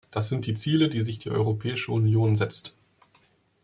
Das sind die Ziele, die sich die Europäische Union setzt.